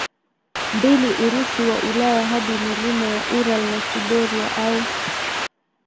mbili Urusi wa Ulaya hadi milima ya Ural na Siberia au